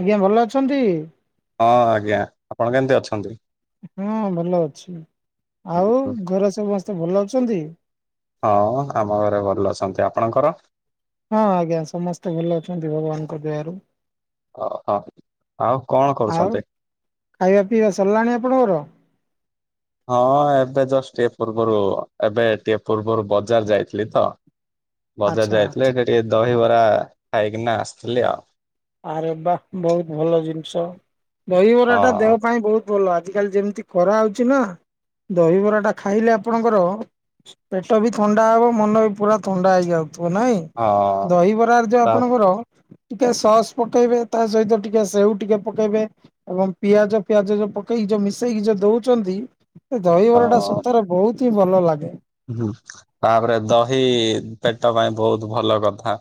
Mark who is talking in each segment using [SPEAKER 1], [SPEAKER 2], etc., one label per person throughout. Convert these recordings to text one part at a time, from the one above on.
[SPEAKER 1] ଆଜ୍ଞା ଭଲ ଅଛନ୍ତି?
[SPEAKER 2] ହଁ ଆଜ୍ଞା। ଆପଣ କେମତି ଅଛନ୍ତି?
[SPEAKER 1] ହଁ ଭଲ ଅଛି। ଆଉ ଘରେ ସମସ୍ତେ ଭଲ ଅଛନ୍ତି?
[SPEAKER 2] ହଁ ଆମ ଘରେ ଭଲ ଅଛନ୍ତି। ଆପଣଙ୍କର?
[SPEAKER 1] ହଁ ଆଜ୍ଞା ସମସ୍ତେ ଭଲ ଅଛନ୍ତି ଭଗବାନଙ୍କ ଦୟାରୁ।
[SPEAKER 2] ଓହ ଆଉ କଣ
[SPEAKER 1] ଆଉ
[SPEAKER 2] କରୁଛନ୍ତି?
[SPEAKER 1] ଖାଇବା ପିଇବା ସରିଲାଣି ଆପଣଙ୍କର?
[SPEAKER 2] ହଁ ଏବେ ଜଷ୍ଟ ଟିକେ ପୂର୍ବରୁ ଏବେ ଟିକେ ପୂର୍ବରୁ ବଜାର ଯାଇଥିଲି ତ। ବଜାର
[SPEAKER 1] ଆଚ୍ଛା
[SPEAKER 2] ଯାଇଥିଲେ ସେଠି ଟିକେ ଦହିବରା ଖାଇକିନା ଆସିଥିଲି ଆଉ।
[SPEAKER 1] ଆରେ ବାଃ ବହୁତ ଭଲ ଜିନିଷ। ଦହିବରାଟା ଦେହ
[SPEAKER 2] ହଁ।
[SPEAKER 1] ପାଇଁ ବହୁତ ଭଲ ଆଜିକାଲି ଯେମିତି ଖରାହେଉଛି ନା, ଦହିବରାଟା ଖାଇଲେ ଆପଣଙ୍କର ପେଟ ବି ଥଣ୍ଡା ହବ, ମନ ବି ପୁରା ଥଣ୍ଡା ହେଇଯାଉଥିବ ନାଇଁ।
[SPEAKER 2] ହଁ
[SPEAKER 1] ଦହିବରାର ଯୋଉ
[SPEAKER 2] ତା
[SPEAKER 1] ଆପଣଙ୍କର ଟିକେ ସସ୍ ପକେଇବେ ତା ସହିତ ଟିକେ ସେଉ ଟିକେ ପକେଇବେ ଏବଂ ପିଆଜ ପିଆଜ ଯୋଉ ପକେଇକି ଯୋଉ ମିଶେଇକି ଯୋଉ ଦୋଉଛନ୍ତି ସେ
[SPEAKER 2] ହଁ
[SPEAKER 1] ଦହିବରାଟା ସତରେ ବହୁତ ହିଁ ଭଲ ଲାଗେ।
[SPEAKER 2] ହୁଁ ତାପରେ ଦହି ପେଟ ପାଇଁ ବହୁତ ଭଲ କଥା।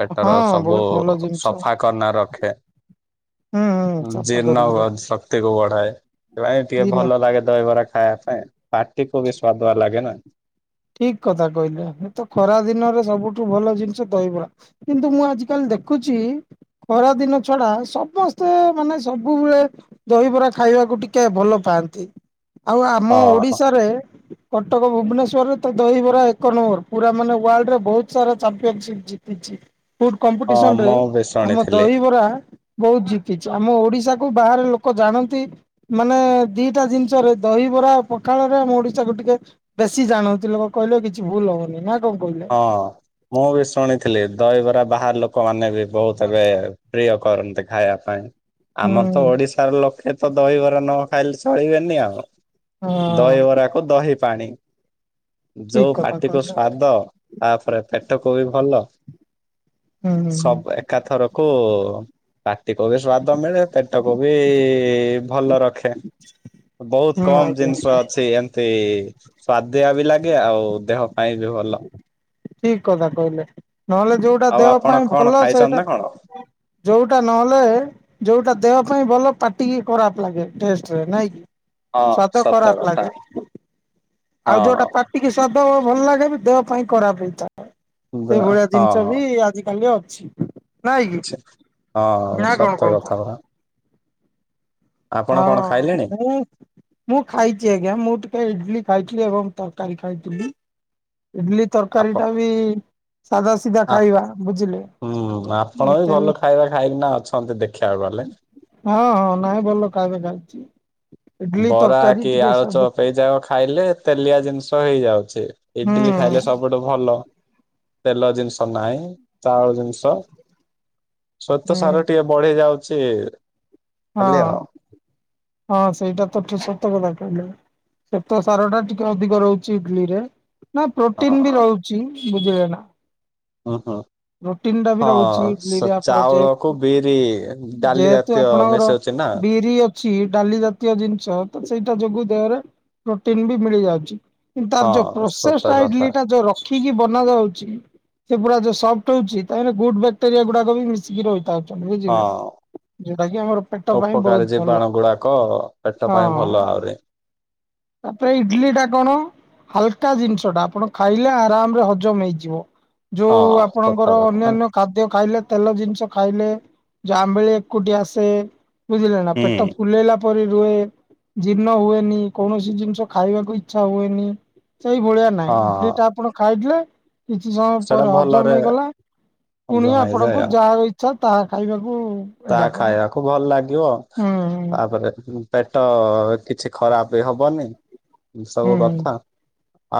[SPEAKER 2] ପେଟର
[SPEAKER 1] ହଁ
[SPEAKER 2] ସବୁ
[SPEAKER 1] ବହୁତ ଭଲ ଜିନିଷ
[SPEAKER 2] ସଫା କରନା ରଖେ।
[SPEAKER 1] ହୁଁ ହୁଁ ସଫା
[SPEAKER 2] ଜୀର୍ଣ୍ଣ
[SPEAKER 1] କରିକି
[SPEAKER 2] ହୁଏ
[SPEAKER 1] ରଖ
[SPEAKER 2] ଶକ୍ତି କୁ ବଢାଏ। ସେ ପାଇଁ ଟିକେ
[SPEAKER 1] ଦିନ
[SPEAKER 2] ଭଲ ଲାଗେ ଦହିବରା ଖାଇବା ପାଇଁ। ପାଟିକୁ ବି ସ୍ୱାଦୁଆ ଲାଗେନା।
[SPEAKER 1] ଠିକ କଥା କହିଲେ, ମୁ ତ ଖରା ଦିନରେ ସବୁଠୁ ଭଲ ଜିନିଷ ଦହିବରା। କିନ୍ତୁ ମୁଁ ଆଜି କାଲି ଦେଖୁଛି। ଖରାଦିନ ଛଡା ସମସ୍ତେ ମାନେ ସବୁବେଳେ ଦହିବରା ଖାଇବାକୁ ଟିକେ ଭଲ ପାଆନ୍ତି। ଆଉ ଆମ
[SPEAKER 2] ହଁ
[SPEAKER 1] ଓଡିଶାରେ କଟକ ଭୁବନେଶ୍ୱର ରେ ତ ଦହିବରା ଏକ ନମ୍ବର ପୁରା ମାନେ ୱାଲ୍ଡ ରେ ବହୁତ ସାରା ଚାମ୍ପିଅନ ସିପ ଜିତିଛି। ଫୁଡ
[SPEAKER 2] ହଁ
[SPEAKER 1] କମ୍ପିଟିସନ ରେ
[SPEAKER 2] ମୁଁ ବି
[SPEAKER 1] ଆମ
[SPEAKER 2] ଶୁଣିଥିଲି
[SPEAKER 1] ଦହିବରା ବହୁତ ଜିତିଛି ଆମ ଓଡିଶା କୁ ବାହାରେ ଲୋକ ଜାଣନ୍ତି। ମାନେ ଦିଟା ଜିନିଷରେ ଦହିବରା ଆଉ ପଖାଳରେ ଆମ ଓଡିଶାକୁ ଟିକେ ବେଶୀ ଜାଣନ୍ତି। ଏତେ ଲୋକ କହିଲେ କିଛି ଭୁଲ ହବନି ନା କଣ କହିବେ?
[SPEAKER 2] ହଁ ମୁଁ ବି ଶୁଣିଥିଲି ଦହିବରା ବାହାର ଲୋକମାନେ ବି ବହୁତ ଏବେ ପ୍ରିୟ କରନ୍ତି ଖାଇବା ପାଇଁ ଆମର ତ
[SPEAKER 1] ହୁଁ
[SPEAKER 2] ଓଡ଼ିଶାର ଲୋକେ ତ ଦହିବରା ନ ଖାଇଲେ ଚଳିବେନି ଆଉ
[SPEAKER 1] ହଁ
[SPEAKER 2] ଦହିବରାକୁ ଦହି ପାଣି।
[SPEAKER 1] ଠିକ
[SPEAKER 2] ଯୋଉ
[SPEAKER 1] କଥା
[SPEAKER 2] ପାଟିକୁ
[SPEAKER 1] କହିଲେ
[SPEAKER 2] ସ୍ଵାଦ ତାପରେ ପେଟକୁ ବି ଭଲ।
[SPEAKER 1] ହୁଁ ହୁଁ ହୁଁ।
[SPEAKER 2] ସବୁ ଏକାଥରକୁ ପାଟିକୁ ବି ସ୍ଵାଦ ମିଳେ ପେଟକୁ ବି ଭଲ ରଖେ। ବହୁତ
[SPEAKER 1] ହୁଁ
[SPEAKER 2] କମ
[SPEAKER 1] ଆଜ୍ଞା
[SPEAKER 2] ଜିନିଷ ଅଛି ଏମି ଏତେ ସ୍ୱାଦିଆ ବି ଲାଗେ ଆଉ ଦେହ ପାଇଁ ବି ଭଲ।
[SPEAKER 1] ଠିକ କଥା କହିଲେ ନହେଲେ ଯୋଉଟା
[SPEAKER 2] ଆଉ
[SPEAKER 1] ଦେହ
[SPEAKER 2] ଆପଣ
[SPEAKER 1] ପାଇଁ
[SPEAKER 2] କଣ
[SPEAKER 1] ଭଲ
[SPEAKER 2] ଖାଇଛନ୍ତି
[SPEAKER 1] ସେଇଟା
[SPEAKER 2] ନା କଣ?
[SPEAKER 1] ଯେଉଟା ନହେଲେ ଯୋଉଟା ଦେହ ପାଇଁ ଭଲ ପାଟିକି ଖରାପ ଲାଗେ ଟେଷ୍ଟରେ ନାଇଁ କି?
[SPEAKER 2] ହଁ
[SPEAKER 1] ସ୍ଵାଦ
[SPEAKER 2] ସତ
[SPEAKER 1] ଖରାପ
[SPEAKER 2] କଥା
[SPEAKER 1] ଲାଗେ। ଆଉ ଯଉଟା
[SPEAKER 2] ହଁ
[SPEAKER 1] ପାଟିକି ସ୍ଵାଦ ଭଲ ଲାଗେ ବି ଦେହ ପାଇଁ ଖରାପ ହେଇଥାଏ।
[SPEAKER 2] ବା
[SPEAKER 1] ସେଇ ଭଳିଆ ଜିନିଷ ବି ଆଜିିକାଲି ଅଛି। ନାଇଁ କି
[SPEAKER 2] ଆଛା ହଁ
[SPEAKER 1] ନା କଣ
[SPEAKER 2] ସତ ତ
[SPEAKER 1] କହୁଛ?
[SPEAKER 2] କଥା ହେଲା।
[SPEAKER 1] ହଁ
[SPEAKER 2] ଖାଇଲେଣି?
[SPEAKER 1] ମୁଁ ମୁଁ ଖାଇଛି ଆଜ୍ଞା ମୁଁ ଟିକେ ଇଡଲି ଖାଇଥିଲି ଏବଂ ତରକାରୀ ଖାଇଥିଲି। ଇଡଲି
[SPEAKER 2] ଆପ
[SPEAKER 1] ତରକାରୀ ଟା ବି ସାଧା ସିଧା
[SPEAKER 2] ଆ
[SPEAKER 1] ଖାଇବା ବୁଝିଲେ।
[SPEAKER 2] ହୁଁ ଆପଣ ବି
[SPEAKER 1] ତେଲ
[SPEAKER 2] ଭଲ ଖାଇବା ଖାଇକିନା ଅଛନ୍ତି ଦେଖିବାକୁ ଗଲେ।
[SPEAKER 1] ହଁ ହଁ ନାଇଁ ଭଲ ଖାଇବା ଖାଇଛି। ଇଡଲି
[SPEAKER 2] ବରା
[SPEAKER 1] ତରକାରୀ
[SPEAKER 2] କି
[SPEAKER 1] ଟିକେ ସାଧା
[SPEAKER 2] ଆଳୁଚପ ଏଇଯା ଖାଇଲେ ତେଲିଆ ଜିନିଷ ହେଇଯାଉଛି
[SPEAKER 1] ହୁଁ
[SPEAKER 2] ଇଡଲିି ଖାଇଲେ ସବୁ ଗୋଟେ ଭଲ ତେଲ ଜିନିଷ ନାହିଁ ଚାଉଳ ଜିନିଷ ସ୍ୱେତ ସାର
[SPEAKER 1] ହୁଁ।
[SPEAKER 2] ଟିକେ ବଢି ଯାଉଛି।
[SPEAKER 1] ହଁ
[SPEAKER 2] ଖାଲି ଆଉ।
[SPEAKER 1] ହଁ ସେଇଟା ତଠୁ ସତ କଥା କହିଲ। ସେତ ସାର ଟା ଟିକେ ଅଧିକ ରହୁଛି ଇଡଲି ରେ। ନା ପ୍ରୋଟିନ ବି
[SPEAKER 2] ହଁ
[SPEAKER 1] ରହୁଛି ବୁଝିଲେ ନା।
[SPEAKER 2] ହୁଁ ହୁଁ
[SPEAKER 1] ପ୍ରୋଟିନ ଟା ବି ରହୁଛି ଇଡଲିରେ
[SPEAKER 2] ହଁ
[SPEAKER 1] ଆପଣ ଯେ
[SPEAKER 2] ଚାଉଳକୁ ବିରି ଡାଲି
[SPEAKER 1] ଯେହେତୁ
[SPEAKER 2] ଜାତୀୟ। ତ
[SPEAKER 1] ଆପଣଙ୍କର
[SPEAKER 2] ମେଶ ଅଛି ନା।
[SPEAKER 1] ବିରି ଅଛି ଡାଲି ଜାତୀୟ ଜିନିଷ ତ ସେଇଟା ଯୋଗୁ ଦେହରେ ପ୍ରୋଟିନ ବି ମିଳି ଯାଉଛି। କି
[SPEAKER 2] ହଁ
[SPEAKER 1] ତାର ଯୋଉ
[SPEAKER 2] ସତ କଥା
[SPEAKER 1] ପ୍ରୋସେସଇଡିଲଟା ଯୋଉ ରଖିକି ବନା ଯାଉଛି। ସେ ପୁରା ଯଉ ସଫ୍ଟ ହଉଛି ତା ଗୁଡୁ ବ୍ୟାକ୍ଟେରିଆ ଗୁଡାକ ବି ମିଶିକି ରହିଥାଉଛନ୍ତି ବୁଝିିଲେ।
[SPEAKER 2] ହଁ
[SPEAKER 1] ଜଉଟା କି ଆମର ପେଟ ପାଇଁ
[SPEAKER 2] ଉପକାରୀ
[SPEAKER 1] ବହୁତ ଭଲ
[SPEAKER 2] ଜୀବାଣୁ ଗୁଡାକ ପେଟ
[SPEAKER 1] ହଁ।
[SPEAKER 2] ପାଇଁ ଭଲ ଆହୁରି
[SPEAKER 1] ତାପରେ ଇଡଲି ଟା କଣ? ହାଲକା ଜିନିଷ ଟା ଆପଣ ଖାଇଲେ ଆରାମ ରେ ହଜମ ହେଇଯିବ। ଯଉ
[SPEAKER 2] ହଁ ସତ
[SPEAKER 1] ଆପଣଙ୍କର
[SPEAKER 2] କଥା
[SPEAKER 1] ଅନ୍ୟାନ୍ୟ ଖାଦ୍ୟ ଖାଇଲେ ତେଲ ଜିନିଷ ଖାଇଲେ ଯଉ ଆମ୍ବିଳି ହାକୁଟି ଆସେ ବୁଝିଲେ ନା
[SPEAKER 2] ହୁଁ
[SPEAKER 1] ପେଟ ଫୁଲେଇଲା ପରି ରୁହେ। ଜୀର୍ଣ୍ଣ ହୁଏନି କୌଣସି ଜିନିଷ ଖାଇବାକୁ ଇଚ୍ଛା ହୁଏନି ସେଇ ଭଳିଆ। ନାଇଁ
[SPEAKER 2] ହଁ
[SPEAKER 1] ଇଡଲି ଟା ଆପଣ ଖାଇଥିବେ କିଛି ସମୟ
[SPEAKER 2] ସେଟା
[SPEAKER 1] ପରେ ହଜମ
[SPEAKER 2] ଭଲରେ
[SPEAKER 1] ହେଇଗଲା ପୁଣି
[SPEAKER 2] ହଜମ ହେଇଯାଏ
[SPEAKER 1] ଆପଣଙ୍କୁ ଯାହା ଇ ଛା ତାହା ଖାଇବାକୁ ଏଇଟା
[SPEAKER 2] ତାହା
[SPEAKER 1] କର
[SPEAKER 2] ଖାଇବାକୁ ଭଲ ଲାଗିବ
[SPEAKER 1] ହୁଁ
[SPEAKER 2] ତାପରେ ପେଟ କିଛି ଖରାପ ବି ହବନି ଏ ସବୁ
[SPEAKER 1] ହୁଁ।
[SPEAKER 2] କଥା।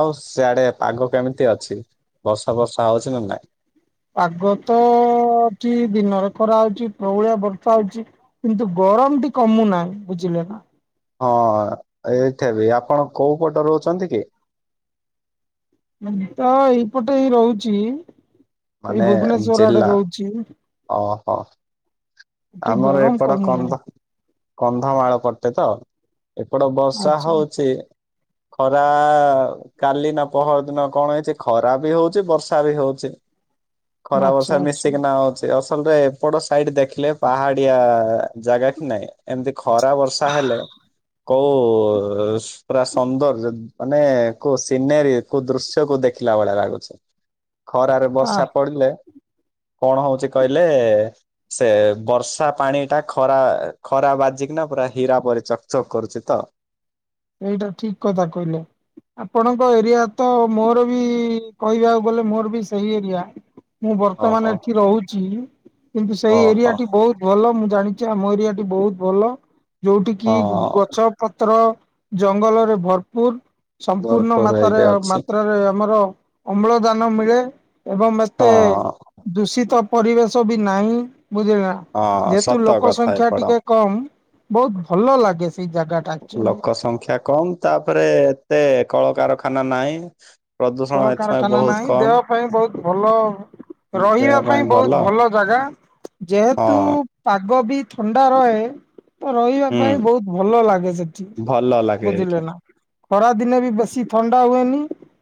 [SPEAKER 2] ଆଉ ସେଆଡେ ପାଗ କେମିତି ଅଛି ବର୍ଷା ବର୍ଷା ହଉଛି ନା ନାଇଁ।
[SPEAKER 1] ପାଗ ଏଠି ଦିନରେ ଖରା ହଉଛି ପ୍ରଭଳିଆ ବର୍ଷା ହଉଛି। କିନ୍ତୁ ଗରମ ଟି କମୁନାହିଁ ବୁଝିଲେ ନା।
[SPEAKER 2] ହଁ ଏଇଠା ବି ଆପଣ କୋଉ ପଟରୁ ଅଛନ୍ତି କି?
[SPEAKER 1] ମୁ ତ ଏଇପଟେ ଏଇ ରହୁଛି। ଏଇ
[SPEAKER 2] ମାନେ
[SPEAKER 1] ଭୁବନେଶ୍ଵର ଆଡେ ରହୁଛି।
[SPEAKER 2] ହଁ
[SPEAKER 1] ଏଠି
[SPEAKER 2] ଆମର
[SPEAKER 1] ଗରମ
[SPEAKER 2] ଏପଟ
[SPEAKER 1] କମୁନାହିଁ
[SPEAKER 2] କମନ୍ତ କନ୍ଧମାଳ ପଟେ ତ ଏପଟେ ବର୍ଷା
[SPEAKER 1] ଆଚ୍ଛା
[SPEAKER 2] ହଉଛି। ଖରା କାଲି ନା ପହର ଦିନ କଣ ହେଇଛି ଖରା ବି ହଉଛି ବର୍ଷା ବି ହଉଛି। ଖରା
[SPEAKER 1] ଆଚ୍ଛା
[SPEAKER 2] ବର୍ଷା
[SPEAKER 1] ଆଚ୍ଛା
[SPEAKER 2] ମିଶିକି ନା ହଉଛି ଅସଲରେ ଏପଡ ସାଇଡ ଦେଖିଲେ ପାହାଡିଆ ଜାଗା କି ନାଇଁ ଏମିତି ଖରା ବର୍ଷା ହେଲେ କେଉଁ ପୁରା ସୁନ୍ଦର ମାନେ କୋଉ ସିନେରୀ କୋଉ ଦୃଶ୍ୟ କୋଉ ଦେଖିଲା ଭଳିଆ ଲାଗୁଛି। ଖରାରେ
[SPEAKER 1] ଆ
[SPEAKER 2] ବର୍ଷା ପଡ଼ିଲେ କଣ ହଉଛି କହିଲେ ସେ ବର୍ଷା ପାଣି ଟା ଖରା ଖରା ବାଜିକିନା ପୁରା ହୀରା ପରି ଚକଚକ୍ କରୁଛି ତ।
[SPEAKER 1] ଏଇଟା ଠିକ କଥା କହିଲେ। ଆପଣଙ୍କ ଏରିଆ ତ ମୋର ବି କହିବାକୁ ଗଲେ ମୋର ବି ସେଇ ଏରିଆ। ମୁଁ ବର୍ତ୍ତମାନ
[SPEAKER 2] ଓହୋ
[SPEAKER 1] ଏଠି ରହୁଛି କିନ୍ତୁ ସେଇ
[SPEAKER 2] ଓହୋ
[SPEAKER 1] ଏରିଆଟି ବହୁତ୍ ଭଲ ମୁଁ ଜାଣିଛି ଆମ ଏରିଆଟି ବହୁତ ଭଲ ଯୋଉଠି କିି
[SPEAKER 2] ହଁ
[SPEAKER 1] ଗଛ ପତ୍ର ଜଙ୍ଗଲରେ ଭରପୁର ସମ୍ପୂର୍ଣ୍ଣ
[SPEAKER 2] ଭରପୁର
[SPEAKER 1] ମାତାରେ
[SPEAKER 2] ହେଇକି ଅଛି
[SPEAKER 1] ମାତ୍ରାରେ ଆମର ଅମ୍ଳଜାନ ମିଳେ ଏବଂ ମତେ
[SPEAKER 2] ହଁ
[SPEAKER 1] ଦୂଷିତ ପରିବେଶ ବି ନାହିଁ ବୁଝିଲ ନା
[SPEAKER 2] ହଁ
[SPEAKER 1] ଯେହେତୁ
[SPEAKER 2] ସତ
[SPEAKER 1] ଲୋକ
[SPEAKER 2] କଥା
[SPEAKER 1] ସଂଖ୍ୟା
[SPEAKER 2] ଏପଟ
[SPEAKER 1] ଟିକେ କମ୍ ବହୁତ ଭଲ ଲାଗେ। ସେଇ ଜାଗାଟା ଆକ୍ଚୁଆଲି।
[SPEAKER 2] ଲୋକ ସଂଖ୍ୟା କମ୍ ତାପରେ ଏତେ କଳକାରଖାନା ନାହିଁ। ପ୍ରଦୂଷଣ ଏଥିପାଇଁ
[SPEAKER 1] କଳକାରଖାନା
[SPEAKER 2] ବହୁତ
[SPEAKER 1] ନାହିଁ
[SPEAKER 2] କମ୍
[SPEAKER 1] ଦେହ ପାଇଁ ବହୁତ ଭଲ। ରହିବା ପାଇଁ ବହୁତ ଭଲ ଜାଗା।
[SPEAKER 2] ହଁ
[SPEAKER 1] ଯେହେତୁ ପାଗ ବି ଥଣ୍ଡା ରହେ ତ ରହିବା
[SPEAKER 2] ହୁଁ
[SPEAKER 1] ପାଇଁ ବହୁତ ଭଲ ଲାଗେ ସେଠି
[SPEAKER 2] ଭଲ ଲାଗେ
[SPEAKER 1] ବୁଝିଲେ
[SPEAKER 2] ଏଇଠି
[SPEAKER 1] ନା। ଖରା ଦିନେ ବି ବେଶୀ ଥଣ୍ଡା ହୁଏନି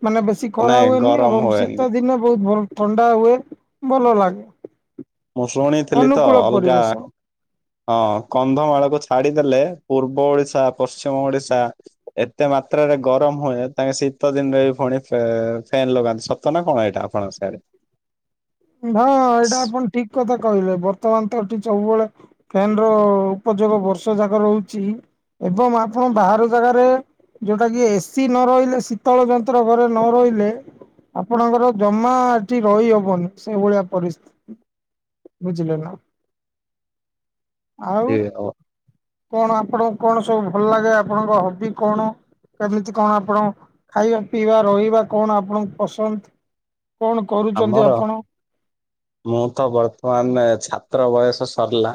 [SPEAKER 1] ମାନେ ବେଶୀ ଖରା
[SPEAKER 2] ନାଇଁ
[SPEAKER 1] ହୁଏନି
[SPEAKER 2] ଗରମ
[SPEAKER 1] ଏବଂ
[SPEAKER 2] ହୁଏନି
[SPEAKER 1] ଶୀତ ଦିନେ ବହୁତ ଭଲ। ଥଣ୍ଡା ହୁଏ ଭଲ ଲାଗେ।
[SPEAKER 2] ମୁଁ ଶୁଣିଥିଲି ତ
[SPEAKER 1] ଅନୁକୂଳ
[SPEAKER 2] ଅଲଗା
[SPEAKER 1] ପରିବେଶ।
[SPEAKER 2] ହଁ କନ୍ଧମାଳକୁ ଛାଡିଦେଲେ ପୂର୍ବ ଓଡିଶା ପଶ୍ଚିମ ଓଡିଶା। ଏତେ ମାତ୍ରାରେ ଗରମ ହୁଏ ତାଙ୍କେ ଶୀତ ଦିନରେ ବି ଫୁଣି ଫ୍ୟାନ ଫ୍ୟାନ୍ ଲଗାନ୍ତି ସତ୍ ଶିତ ନା କଣ ଏଇଟା ଆପଣଙ୍କ ସିଆଡେ।
[SPEAKER 1] ହଁ ଏଇଟା ଆପଣ ଠିକ କଥା କହିଲେ ବର୍ତ୍ତମାନ ତ ଏଠି ସବୁବେଳେ ଫ୍ୟାନ ର ଉପଯୋଗ ବର୍ଷ ଜାକ ରହୁଛି ଏବଂ ଆପଣ ବାହାର ଜାଗାରେ ଯୋଉଟା କି ଏସିି ନ ରହିଲେ ଶୀତଳ ଯନ୍ତ୍ର ଘରେ ନ ରହିଲେ ଆପଣଙ୍କର ଜମା ଏଠି ରହିହବନି। ସେଇଭଳିଆ ପରିସ୍ଥିତି ବୁଝିଲେ ନା। ଆଉ
[SPEAKER 2] ଏ
[SPEAKER 1] କଣ ଆପଣଙ୍କୁ କଣ ସବୁ ଭଲ ଲାଗେ ଆପଣଙ୍କ ହବି କଣ। କେମିତି କଣ ଆପଣ ଖାଇବା ପିଇବା ରହିବା କଣ ଆପଣଙ୍କୁ ପସନ୍ଦ କଣ। କରୁଛନ୍ତି
[SPEAKER 2] ଆମର
[SPEAKER 1] ଆପଣ।
[SPEAKER 2] ମୁଁ ତ ବର୍ତ୍ତମାନ ଛାତ୍ର ବୟସ ସରିଲା।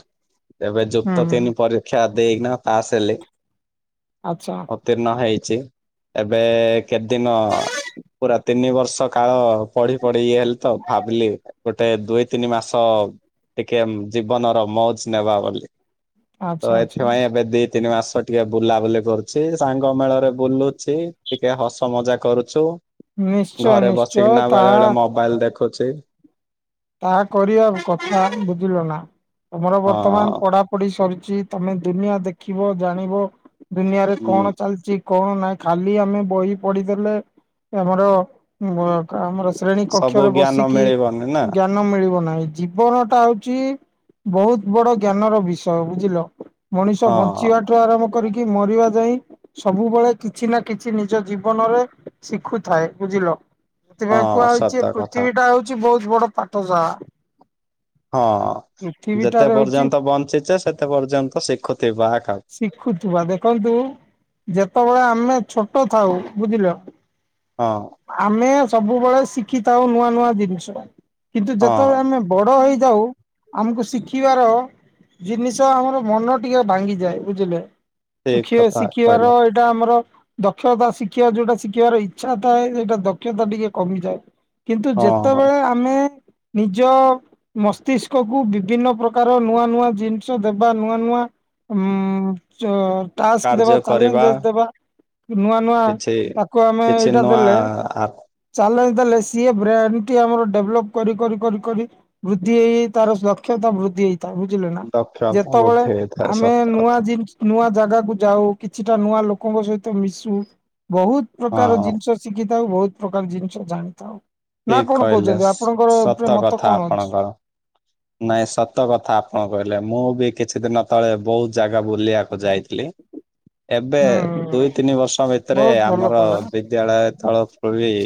[SPEAKER 2] ଏବେ
[SPEAKER 1] ହୁଁ
[SPEAKER 2] ଯୁକ୍ତ
[SPEAKER 1] ହୁଁ
[SPEAKER 2] ତିନି ପରୀକ୍ଷା ଦେଇକିନା ପାସ ହେଲି।
[SPEAKER 1] ଆଚ୍ଛା।
[SPEAKER 2] ଉତୀର୍ଣ ହେଇଛି ଏବେ କେତେ ଦିନ ପୁରା ତିନି ବର୍ଷ କାଳ ପଢି ପଢି ଇଏ ହେଲି ତ ଭାବିଲି ଗୋଟେ ଦୁଇ ତିନି ମାସ ଟିକେ ଜୀବନର ମୌଜ ନେବା ବୋଲି
[SPEAKER 1] ଆଚ୍ଛା
[SPEAKER 2] ତ
[SPEAKER 1] ଆଚ୍ଛା।
[SPEAKER 2] ଏଥିରପାଇଁ ଏବେ ଦି ତିନି ମାସ ଟିକେ ବୁଲାବୁଲି କରୁଛି ସାଙ୍ଗ ମେଳରେ ବୁଲୁଛି ଟିକେ ହସ ମଜା କରୁଛୁ।
[SPEAKER 1] ନିଶ୍ଚୟ
[SPEAKER 2] ଘରେ
[SPEAKER 1] ନିଶ୍ଚୟ
[SPEAKER 2] ବସିକିନା ବେଳେ
[SPEAKER 1] ତାହା
[SPEAKER 2] ବେଳେ ମୋବାଇଲ ଦେଖୁଛି।
[SPEAKER 1] ତାହା କରିବା କଥା ବୁଝିଲ ନା ତମର ବର୍ତ୍ତମାନ
[SPEAKER 2] ହଁ
[SPEAKER 1] ପଢାପଢି ସରିଛି ତମେ ଦୁନିଆ ଦେଖିବ ଜାଣିବ ଦୁନିଆରେ
[SPEAKER 2] ହୁଁ
[SPEAKER 1] କଣ ଚାଲିଚି କଣ ନାହିଁ ଖାଲି ଆମେ ବହି ପଢିଦଲେ ଆମର ଆମର ଶ୍ରେଣୀ
[SPEAKER 2] ସବୁ
[SPEAKER 1] କକ୍ଷରେ
[SPEAKER 2] ଜ୍ଞାନ
[SPEAKER 1] ବସିକି
[SPEAKER 2] [inaudible]
[SPEAKER 1] ଜ୍ଞାନ ମିଳିବ ନାହିଁ ଜୀବନ ଟା ହଉଛି ବହୁତ ବଡ ଜ୍ଞାନ ର ବିଷୟ ବୁଝିଲ। ମଣିଷ
[SPEAKER 2] ହଁ।
[SPEAKER 1] ବଞ୍ଚିବା ଠୁ ଆରମ୍ଭ କରିକି ମରିବା ଯାଇ ସବୁବେଳେ କିଛି ନା କିଛି ନିଜ ଜୀବନରେ ଶିଖୁଥାଏ ବୁଝିଲ। ସେଥିପାଇଁ କୁହା
[SPEAKER 2] ହଁ
[SPEAKER 1] ହେଇଛି
[SPEAKER 2] ସତ କଥା
[SPEAKER 1] ପୃଥିବୀ ଟା ହଉଛି ବହୁତ ବଡ ପାଠ ସାଳା।
[SPEAKER 2] ହଁ ଯେତେ ପର୍ଯ୍ୟନ୍ତ ବଞ୍ଚିଚେ ସେତେ ପର୍ଯ୍ୟନ୍ତ ଶିଖୁଥିବା ଏକା।
[SPEAKER 1] ଶିଖୁଥିବା ଦେଖନ୍ତୁ ଯେତେବେଳେ ଆମେ ଛୋଟ ଥାଉ ବୁଝିଲ।
[SPEAKER 2] ହଁ।
[SPEAKER 1] ଆମେ ସବୁବେଳେ ଶିଖିଥାଉ ନୂଆ ନୂଆ ଜିନିଷ କିନ୍ତୁ ଯେତେବେଳେ
[SPEAKER 2] ହଁ
[SPEAKER 1] ଆମେ ବଡ଼ ହେଇଯାଉ ଆମକୁ ଶିଖିବାର ଜିନିଷ ଆମର ମନ ଟିକେ ଭାଙ୍ଗିଯାଏ। ବୁଝିଲେ
[SPEAKER 2] ଠିକ
[SPEAKER 1] ଶୁଖିବା
[SPEAKER 2] କଥା କହିଲ
[SPEAKER 1] ଶିଖିବାର ଏଇଟା ଆମର ଦକ୍ଷତା ଶିଖିବା ଯୋଉଟା ଶିଖିବାର ଇଚ୍ଛା ଥାଏ ସେଇଟା ଦକ୍ଷତା ଟିକେ କମିଯାଏ। କିନ୍ତୁ
[SPEAKER 2] ହଁ
[SPEAKER 1] ଯେତେବେଳେ ଆମେ ନିଜ ମସ୍ତିଷ୍କକୁୁ ବିଭିନ୍ନ ପ୍ରକାର ନୂଆ ନୂଆ ଜିନିଷ ଦବା ନୂଆ ନୂଆ ଉ ଉଁ ଚ ଟାସ୍କ ଦବା
[SPEAKER 2] କାର୍ଯ୍ୟ କରିବା
[SPEAKER 1] ଚାଲେଞ୍ଜସ୍ ଦବା ନୂଆ ନୂଆ
[SPEAKER 2] କିଛି
[SPEAKER 1] ତାକୁ ଆମେ
[SPEAKER 2] କିଛି
[SPEAKER 1] ଏଇଟା
[SPEAKER 2] ନୂଆ
[SPEAKER 1] ଦେଲେ ଚେଲେଞ୍ଜ ଦେଲେ ସିଏ ବ୍ରେନ୍ ଟି ଆମର ଡେଭଲପ୍ କରି କରି କରି କରି ବୃଦ୍ଧି ହେଇ ହେଇ ତାର ସୋକ୍ଷତା ବୃଦ୍ଧି ହେଇଥାଏ ବୁଝିଲେ ନା
[SPEAKER 2] ଦକ୍ଷତା
[SPEAKER 1] ଯେତେବେଳେ
[SPEAKER 2] ବୃଦ୍ଧି ହେଇଥାଏ
[SPEAKER 1] ଆମେ
[SPEAKER 2] ସତ
[SPEAKER 1] ନୂଆ
[SPEAKER 2] କଥା
[SPEAKER 1] ନୂଆ ଜାଗାକୁ ଯାଉ କିଛିଟା ନୂଆ ଲୋକଙ୍କ ସହିତ ମିଶୁ ବହୁତ ପ୍ରକାର
[SPEAKER 2] ହଁ।
[SPEAKER 1] ଜିନିଷ ଶିଖିଥାଉ ବହୁତ ପ୍ରକାର ଜିନିଷ ଜାଣିଥାଉ। ନା
[SPEAKER 2] ଠିକ
[SPEAKER 1] କଣ
[SPEAKER 2] କହିଲେ
[SPEAKER 1] କହୁଛନ୍ତି ଆପଣଙ୍କ
[SPEAKER 2] ସତ
[SPEAKER 1] ଉପେ ମତ
[SPEAKER 2] କଥା
[SPEAKER 1] କଣ ଅଛି?
[SPEAKER 2] ଆପଣଙ୍କର। ନାଇଁ ସତ କଥା ଆପଣ କହିଲେ ମୁଁ ବି କିଛି ଦିନ ତଳେ ବହୁତ ଜାଗା ବୁଲିଆ ଖୁଁ ଯାଇଥିଲି ଏବେ
[SPEAKER 1] ହୁଁ
[SPEAKER 2] ଦୁଇ ତିନି ବର୍ଷ ଭିତରେ
[SPEAKER 1] ବହୁତ ଭଲ
[SPEAKER 2] ଆମର
[SPEAKER 1] କଲେ
[SPEAKER 2] ବିଦ୍ୟାଳୟ ତଳ [unintelligible]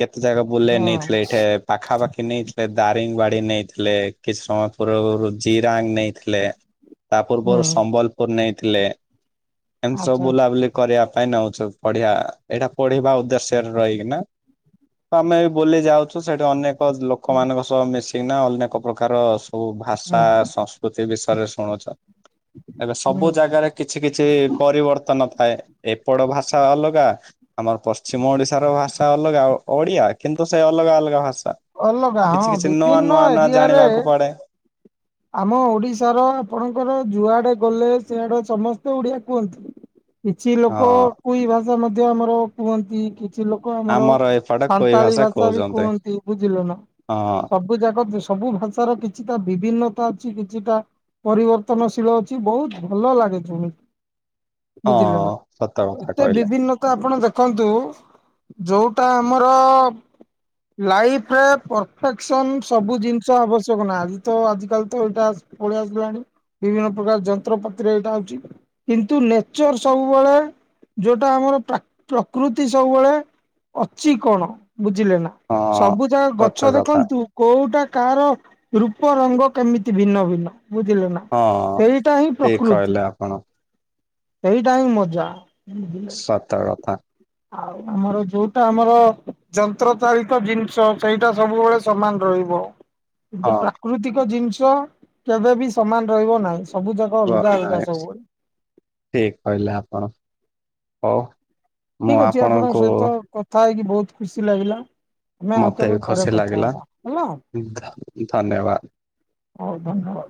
[SPEAKER 2] କେତେ ଜାଗା ବୁଲେଇ
[SPEAKER 1] ହୁଁ
[SPEAKER 2] ନେଇଥିଲେ ଏଇଠା ପାଖାପାଖି ନେଇଥିଲେ ଦାରିଙ୍ଗ ବାଡ଼ି ନେଇଥିଲେ କିଛି ସମୟ ପୂର୍ବରୁ ଜିରାଙ୍ଗ ନେଇଥିଲେ ତା ପୂର୍ବରୁ
[SPEAKER 1] ହୁଁ
[SPEAKER 2] ସମ୍ବଲ କୁ ନେଇଥିଲେ ଏମ ସବୁ
[SPEAKER 1] ଆଚ୍ଛା।
[SPEAKER 2] ବୁଲାବୁଲି କରିବା ପାଇଁ ନଉଛୁ ପଢଆ ଏଇଟା ପଢିବା ଉଦ୍ଦେଶ୍ୟରେ ରହିକି ନା ତମେ ଏଇ ବୁଲି ଯାଉଛୁ ସେଠି ଅନେକ
[SPEAKER 1] ହୁଁ
[SPEAKER 2] ଲୋକମାନଙ୍କ ସହ ମିଶିକିନା ଅନେକ ପ୍ରକାର ସବୁ ଭାଷା
[SPEAKER 1] ହୁଁ
[SPEAKER 2] ସଂସ୍ କୁତି ବିଷୟରେ ଶୁଣୁଚ ଏବେ
[SPEAKER 1] ହୁଁ
[SPEAKER 2] ସବୁ ଜାଗାରେ କିଛି କିଛି ପରିବର୍ତ୍ତନ ଥାଏ ଏପଟ ଭାଷା ଅଲଗା ଆମର ପଶ୍ଚିମ ଓଡ଼ିଶାର ଭାଷା ଅଲଗା ଓଡ଼ିଆ କିନ୍ତୁ ସେ ଅଲଗା ଅଲଗା ଭାଷା।
[SPEAKER 1] ଅଲଗା ହଁ ବିଭିନ୍ନ ଓରିଆ
[SPEAKER 2] ହେଁବାକୁ ପଡେ।
[SPEAKER 1] ଆମ ଓଡିଶାର ଆପଣଙ୍କର ଯୁଆଡେ ଗଲେ ସେଆଡେ ସମସ୍ତେ ଓଡିଆ କୁହନ୍ତି କିଛି ଲୋକ
[SPEAKER 2] ହଁ
[SPEAKER 1] କୁଇ ଭାଷା ମଧ୍ୟ ଆମର କୁହନ୍ତି କିଛି ଲୋ କୋ ଆମର
[SPEAKER 2] ଏପଟେ କୋଇ
[SPEAKER 1] ସାନ୍ତାଳୀ ଭାଷା ବି
[SPEAKER 2] କହୁଛନ୍ତି
[SPEAKER 1] କୁହନ୍ତି ବୁଝିଲ ନା
[SPEAKER 2] ହଁ
[SPEAKER 1] ସବ ବୁ ଜାଗତୁ ସବୁ ଭାଷାର କିଛି ତା ବିଭିନ୍ନ ଟ ଅଛି କିଛିଟା ପରିବର୍ତ୍ତନଶୀଳ ଅଛି ବହୁତ ଭଲ ଲାଗେ ଜୁଣିି।
[SPEAKER 2] ହଁ
[SPEAKER 1] ବୁଝିଲେ ନା?
[SPEAKER 2] ସତ କଥା
[SPEAKER 1] ଏତେ
[SPEAKER 2] କହିଲେ
[SPEAKER 1] ବିଭିନ୍ନ ତ ଆପଣ ଦେଖନ୍ତୁ ଯୋଉଟା ଆମର ଲାଇଫରେ ପରଫେକ୍ସନ ସବୁ ଜିନିଷ ଆବଶ୍ୟକ ନା ଆଜି ତ ଆଜିିକାଲ ଟୋଲ୍ ଟାସ୍କ ପଳେଇ ଆସିଲାଣି ବିଭିନ୍ନ ପ୍ରକାର ଯନ୍ତ୍ରପାତିରେ ଏଇଟା ହଉଚି କିନ୍ତୁ ନେଚର ସବୁବେଳେ ଯଉଟା ଆମର ପ୍ରକ ପ୍ରକୃତି ସବୁବେଳେ ଅଛି କଣ ବୁଝିଲେ ନା?
[SPEAKER 2] ହଁ
[SPEAKER 1] ସବୁ ଯାଗା
[SPEAKER 2] ସତ
[SPEAKER 1] ଗଛ
[SPEAKER 2] କଥା
[SPEAKER 1] ଦେଖନ୍ତୁ କୋଉଟା କାର ରୂପ ରଙ୍ଗ କେମିତି ଭିନ୍ନ ଭିନ୍ନ ବୁଝିଲେ ନା?
[SPEAKER 2] ହଁ
[SPEAKER 1] ସେଇଟା ହିଁ
[SPEAKER 2] ଠିକ
[SPEAKER 1] ପ୍ରକୃତି
[SPEAKER 2] କହିଲେ ଆପଣ
[SPEAKER 1] ସେଇଟା ହିଁ ମଜା। ବୁଝିଲେ
[SPEAKER 2] ସତ କଥା।
[SPEAKER 1] ଆଉ ଆମର ଯୋଉଟା ଆମର ଯନ୍ତ୍ରଚାଳିତ ଜିନଷ ସେଇଟା ସବୁବେଳେ ସମାନ ରହିବ କିନ୍ତୁ
[SPEAKER 2] ହଁ
[SPEAKER 1] ପ୍ରାକୃତିକ ଜିନିଷ କେବେ ବି ସମାନ ରହିବ ନାହିଁ ସ୍
[SPEAKER 2] [unintelligible] ଠିକ କହିଲେ ଆପଣ ହଉ ମୁଁ ଆପଣଙ୍କୁ
[SPEAKER 1] ଥା ହେଇକି ବହୁତ ଖୁସି ଲାଗିଲା। ମୁଁ ଆଉ
[SPEAKER 2] ମତେ
[SPEAKER 1] ତମେ
[SPEAKER 2] ବି
[SPEAKER 1] ପରେ
[SPEAKER 2] ଖୁସି
[SPEAKER 1] କଥା
[SPEAKER 2] ଲାଗିଲା
[SPEAKER 1] ହେବା ହେଲା।
[SPEAKER 2] ଧ- ଧନ୍ୟବାଦ।
[SPEAKER 1] ହଉ ଧନ୍ୟବାଦ।